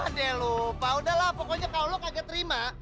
aduh lo pak udah lah pokoknya kalo lo kagak terima